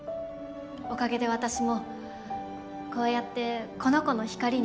おかげで私もこうやってこの子の光に触れることができる。